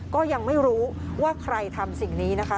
ก็ยังไม่รู้ว่าใครทำสิ่งนี้นะคะ